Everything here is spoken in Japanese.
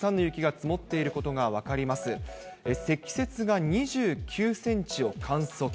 積雪が２９センチを観測。